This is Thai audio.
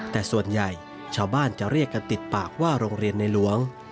แต่ส่วนใหญ่ชาวบ้านจะเรียกกันติดปากว่าโรงเรียนในหลวง